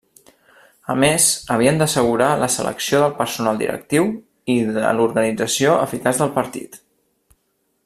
A més havien d'assegurar la selecció del personal directiu i de l'organització eficaç del partit.